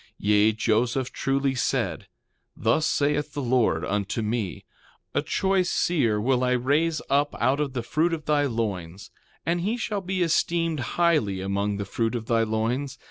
3:7 Yea, Joseph truly said: Thus saith the Lord unto me: A choice seer will I raise up out of the fruit of thy loins; and he shall be esteemed highly among the fruit of thy loins.